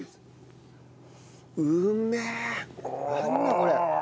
これ。